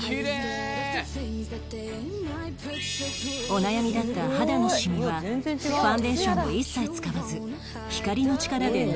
お悩みだった肌のシミはファンデーションを一切使わず光の力でナチュラルに消えた